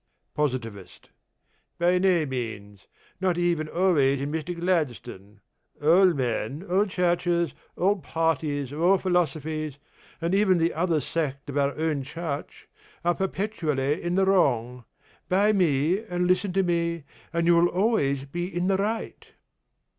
POSITIVIST: By no means; not even always in Mr. Gladstone. All men, all Churches, all parties, all philosophies, and even the other sect of our own Church, are perpetually in the wrong. Buy me, and listen to me, and you will ahvays be in the right.